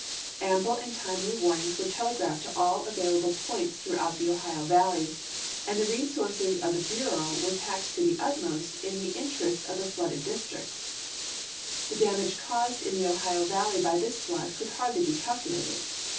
Am2>le and timely warnings were telegraphed to all available WEATHER BUREAU RIVER AND FLOOD SYSTEM 307 points throughout the Ohio valley, and the resources of the Bureau were taxed to the utmost in the interests of the flooded districts. The dainage caused in the Ohio valley this flood could hardly be calculated.